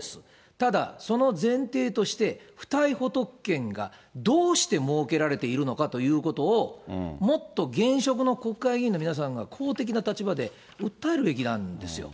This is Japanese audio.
ただ、その前提として、不逮捕特権がどうして設けられているのかということを、もっと現職の国会議員の皆さんが公的な立場で訴えるべきなんですよ。